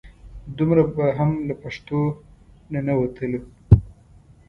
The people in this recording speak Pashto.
دومره به هم له پښتو نه نه وتلو.